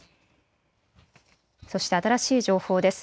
そして新しい情報です。